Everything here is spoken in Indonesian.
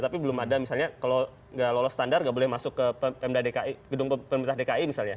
tapi belum ada misalnya kalau nggak lolos standar nggak boleh masuk ke gedung pemerintah dki misalnya